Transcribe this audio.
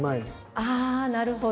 ああなるほど。